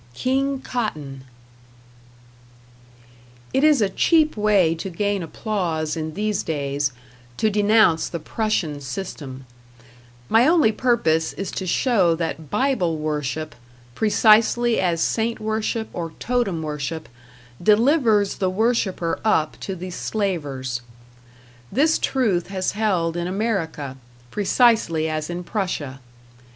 #King Cotton# It is a cheap way to gain applause in these days, to denounce the Prussian system; my only purpose is to show that Bible worship, precisely as saint worship or totem worship, delivers the worshipper up to the Slavers. This truth has held in America, precisely as in Prussia.